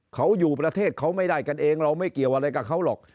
เขาอยู่ประเทศเขาไม่ได้กันเองเราไม่เกี่ยวอะไรกับเขาหรอก